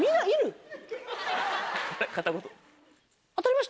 片言。